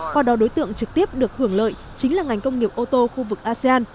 qua đó đối tượng trực tiếp được hưởng lợi chính là ngành công nghiệp ô tô khu vực asean